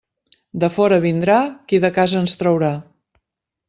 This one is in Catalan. De fora vindrà qui de casa ens traurà.